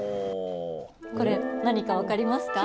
これ何か分かりますか。